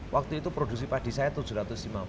waktu itu produksi padi saya rp tujuh ratus lima puluh